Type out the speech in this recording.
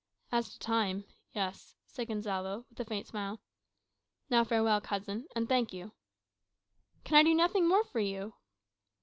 "As to time yes," said Gonsalvo, with a faint smile. "Now farewell, cousin; and thank you." "Can I do nothing more for you?"